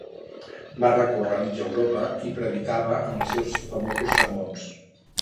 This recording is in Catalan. Va recórrer mitja Europa i predicava amb els seus famosos sermons.